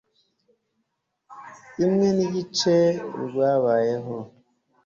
imwe n igice Rwabayeho